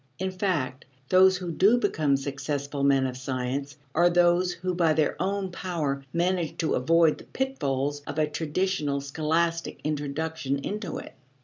In fact, those who do become successful men of science are those who by their own power manage to avoid the pitfalls of a traditional scholastic introduction into it.